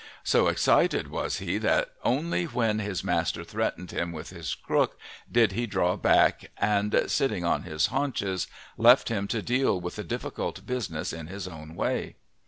So excited was he that only when his master threatened him with his crook did he draw back and, sitting on his haunches, left him to deal with the difficult business in his own way.